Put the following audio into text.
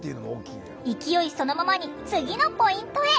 勢いそのままに次のポイントへ。